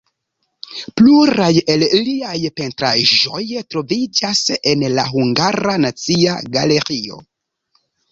Pluraj el liaj pentraĵoj troviĝas en la Hungara Nacia Galerio.